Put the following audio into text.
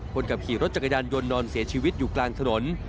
คนขับขี่รถจักรยานยนต์นอนเสียชีวิตอยู่กลางถนน